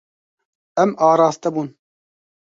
Em araste bûn.